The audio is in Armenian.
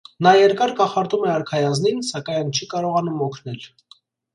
Նա երկար կախարդում է արքայազնին, սակայն չի կարողանում օգնել։